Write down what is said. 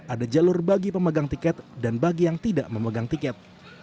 ada jalur bagi pemegang tiket dan bagi yang tidak memegang tiket